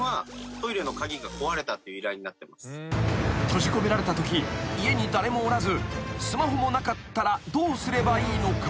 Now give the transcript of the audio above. ［閉じ込められたとき家に誰もおらずスマホもなかったらどうすればいいのか？］